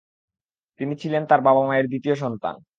তিনি ছিলেন তার বাবা মায়ের দ্বিতীয় সন্তান।